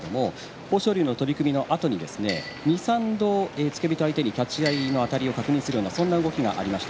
豊昇龍の取組のあと２、３度付け人を相手に立ち合いの相手を確認するような動きがありました。